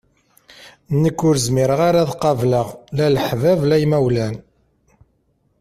Nekk ur zmireɣ ara ad qableɣ la laḥbab la imawlan.